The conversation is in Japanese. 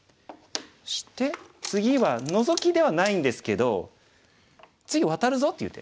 そして次はノゾキではないんですけど次ワタるぞっていう手。